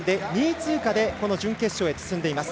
通過でこの準決勝へと進んでいます。